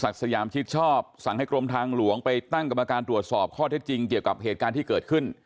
สยามชิดชอบสั่งให้กรมทางหลวงไปตั้งกรรมการตรวจสอบข้อเท็จจริงเกี่ยวกับเหตุการณ์ที่เกิดขึ้น